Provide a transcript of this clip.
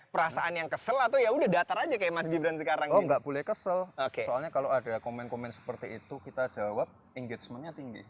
boleh kesel soalnya kalau ada komen komen seperti itu kita jawab engagement nya tinggi